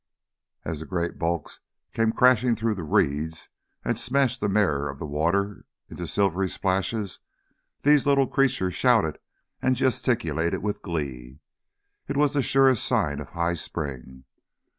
As the great bulks came crashing through the reeds and smashed the mirror of the water into silvery splashes, these little creatures shouted and gesticulated with glee. It was the surest sign of high spring.